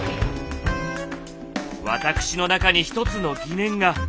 私の中に一つの疑念が。